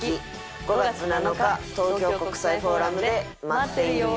５月７日東京国際フォーラムで待ってるよ！